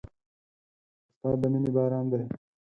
استاد د مینې باران دی.